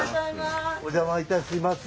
お邪魔いたします。